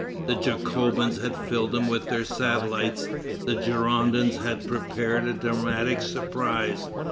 The Jacobins had filled them with their satellites. The Girondins had prepared a dramatic surprise.